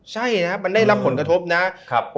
ใช่นะครับมันได้รับผลกระทบนะครับ